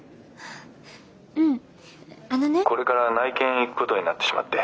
これから内見行くことになってしまって。